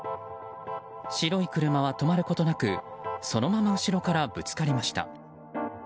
白い車は止まることなくそのまま後ろからぶつかりました。